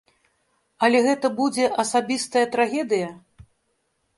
Але гэта будзе асабістая трагедыя?